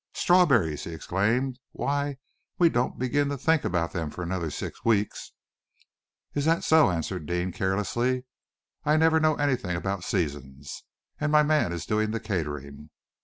"Strawberries!" he exclaimed. "Why, we don't begin to think about them for another six weeks!" "Is that so?" answered Deane, carelessly. "I never know anything about seasons, and my man is doing the catering.